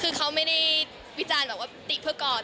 คือเขาไม่ได้วิจารณ์แบบว่าติเพื่อกอด